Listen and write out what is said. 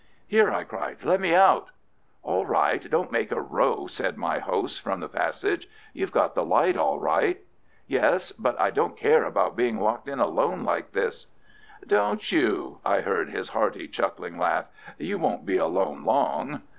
"Here!" I cried. "Let me out!" "All right! Don't make a row!" said my host from the passage. "You've got the light all right." "Yes, but I don't care about being locked in alone like this." "Don't you?" I heard his hearty, chuckling laugh. "You won't be alone long."